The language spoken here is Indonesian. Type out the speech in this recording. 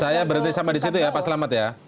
saya berhenti sampai di situ ya pak selamat ya